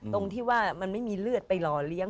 ตรงที่ว่ามันไม่มีเลือดไปหล่อเลี้ยง